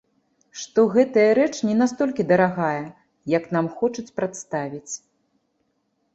Што гэтая рэч не настолькі дарагая, як нам хочуць прадставіць.